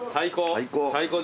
最高。